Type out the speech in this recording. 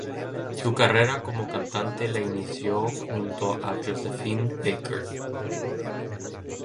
Su carrera como cantante la inició junto a Josephine Baker.